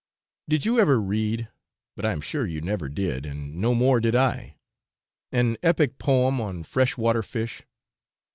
Did you ever read (but I am sure you never did, and no more did I), an epic poem on fresh water fish?